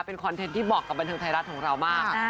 เป็นคอนเทนต์ที่บอกกับบันเทิงไทยรัฐของเรามาก